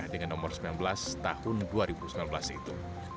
dengan nomor sembilan belas tahun dua ribu sembilan belas itu